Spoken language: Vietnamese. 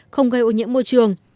không gây ô nhiễm môi trường